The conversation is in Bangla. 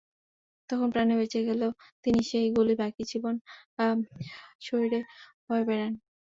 তখন প্রাণে বেঁচে গেলেও তিনি সেই গুলি বাকি জীবন শরীরে বয়ে বেড়ান।